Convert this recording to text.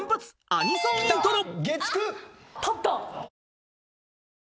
アニソンイントロ］